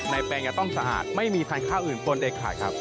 ในแปลงจะต้องสะอาดไม่มีพันธุ์ข้าวอื่นบนเอกถ่ายครับ